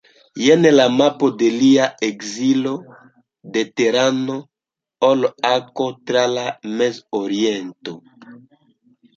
Jen la mapo de Lia ekzilo de Tehrano al Akko tra la Mez-Oriento.